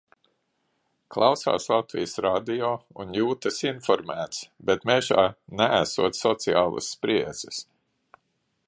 Klausās Latvijas Radio un jūtas informēts, bet mežā neesot sociālās spriedzes.